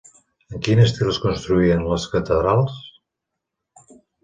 En quin estil es construïen les catedrals?